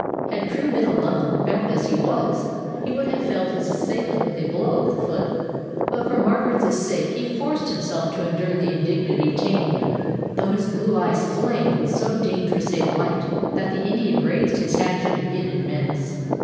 Had Crewe been alone, bound as he was, he would have felled his assailant with a blow of the foot; but for Margaret's sake he forced himself to endure the indignity tamely, though his blue eyes flamed with so dangerous a light that the Indian raised his hatchet again in menace.